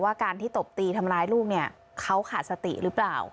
การที่ตบตีทำร้ายลูกเนี่ยเขาขาดสติหรือเปล่า